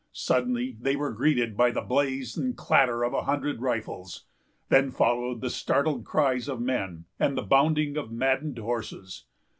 Suddenly they were greeted by the blaze and clatter of a hundred rifles. Then followed the startled cries of men, and the bounding of maddened horses.